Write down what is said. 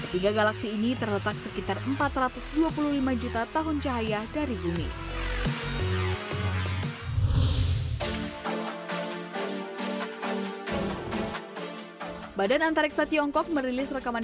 tiga galaksi ini terletak di dalam galaksi yang berdekatan